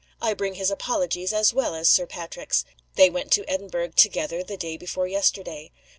"I bring his apologies, as well as Sir Patrick's. They went to Edinburgh together the day before yesterday.